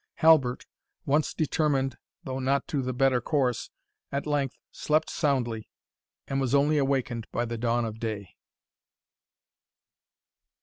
Halbert, once determined, though not to the better course, at length slept soundly, and was only awakened by the dawn of day.